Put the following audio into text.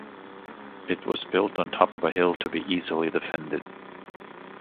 It was built on the top of a hill to be easily defended.